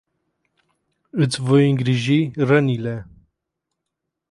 Iti voi ingriji ranile.